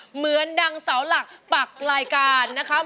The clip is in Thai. เหมือนดังเสาหลักปักรายการนะครับ